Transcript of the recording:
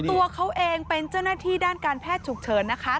ตัวเขาเองเป็นเจ้าหน้าที่ด้านการแพทย์ฉุกเฉินนะคะ